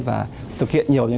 và thực hiện nhiều những điều